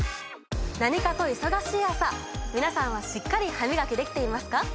何かと忙しい朝皆さんはしっかり歯みがきできていますか？